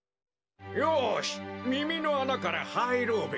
よしみみのあなからはいろうべ。